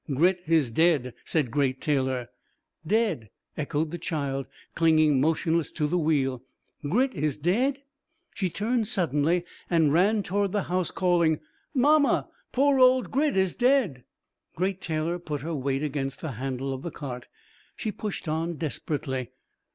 "Grit is dead," said Great Taylor. "Dead!" echoed the child, clinging motionless to the wheel. "Grit is dead?" She turned suddenly and ran toward the house, calling: "Mamma, poor old Grit is dead." Great Taylor put her weight against the handle of the cart. She pushed on desperately.